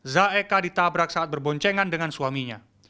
zaeka ditabrak saat berboncengan dengan suaminya